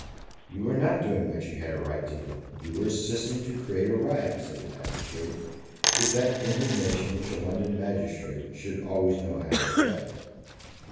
"You were not doing what you had a right to do. You were assisting to create a riot," said the magistrate, with that indignation which a London magistrate should always know how to affect.